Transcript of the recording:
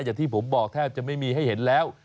อย่างที่ผมบอกแทบจะไม่มีให้เห็นแล้ว